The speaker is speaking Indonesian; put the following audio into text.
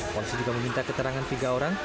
polisi juga meminta keterangan tiga orang